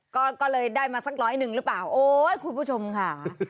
ก็เลยได้มาสักร้อยหนึ่งหรือเปล่าโอ๊ยคุณผู้ชมค่ะ